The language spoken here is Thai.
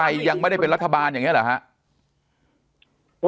ก้าวกล่ายยังไม่ได้เป็นรัฐบาลอย่างเนี่ยหรอฮะ